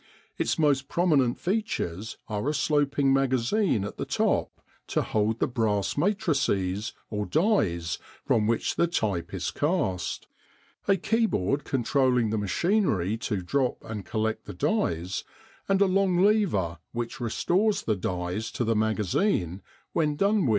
Its most prominent features are a sloping magazine at the top to hold the brass matrices, or dies from which the type is cast, a keyboard controlling the machinery to drop and collect the dies, and a long lever which restores the dies to the magazine when done with.